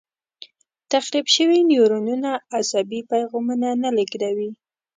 تخریب شوي نیورونونه عصبي پیغامونه نه لېږدوي.